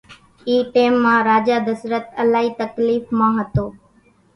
اِي ٽيم مان راجا دسرت الائي تڪليڦ مان ھتو